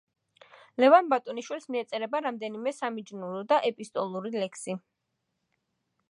ლევან ბატონიშვილს მიეწერება რამდენიმე სამიჯნურო და ეპისტოლური ლექსი.